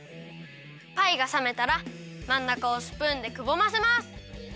パイがさめたらまんなかをスプーンでくぼませます！